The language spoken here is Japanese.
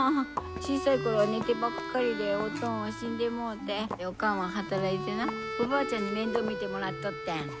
小さい頃は寝てばっかりでおとんは死んでもうておかんは働いてなおばあちゃんに面倒見てもらっとってん。